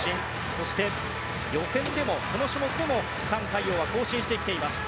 そして予選のこの種目でもタン・カイヨウは更新してきています。